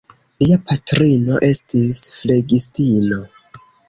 Lia patrino estis flegistino.